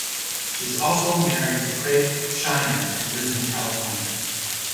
She is married to Craig Scheiner and lives in California.